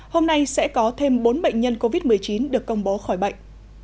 hôm nay sẽ có thêm bốn bệnh nhân covid một mươi chín được công bố khỏi bệnh